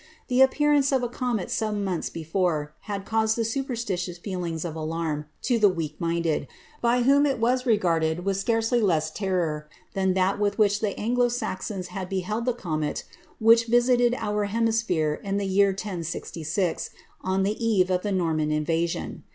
The appearance of a comet some months before had caused superstitious feelings of alarm to the weak minded, by whom it was re garded with scarcely less terror than that with which the Anglo Saxons had beheld the comet which visited our hemisphere in the year 1066, on the eve of the Norman invasion.